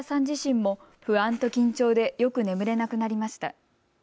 自身も不安と緊張でよく眠れなくなりました。